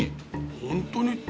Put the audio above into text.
ほんとに？